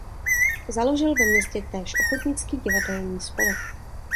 Založil ve městě též ochotnický divadelní spolek.